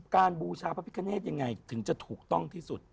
การบูชาพระพิการเทศอย่างไรถึงจะถูกต้องที่สุด